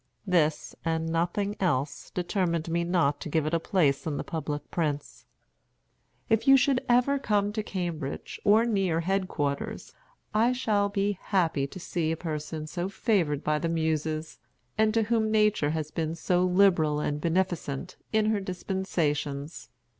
This, and nothing else, determined me not to give it a place in the public prints. "If you should ever come to Cambridge, or near head quarters, I shall be happy to see a person so favored by the Muses, and to whom Nature had been so liberal and beneficent in her dispensations.